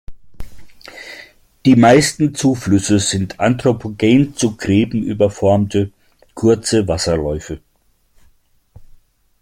Die meisten Zuflüsse sind anthropogen zu Gräben überformte, kurze Wasserläufe.